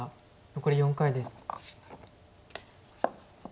残り４回です。